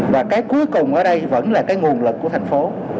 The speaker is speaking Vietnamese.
và cái cuối cùng ở đây vẫn là cái nguồn lực của thành phố